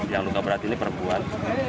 yang luka berat ini perempuan